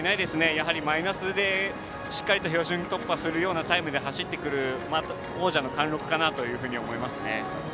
やはりマイナスでしっかりと標準突破するようなタイムで走ってくる王者の貫禄かなと思います。